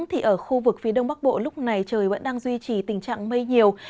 thì ở khu vực phía đông bắc bộ lúc này trời vẫn đang duy trì tình trạng mây nhiều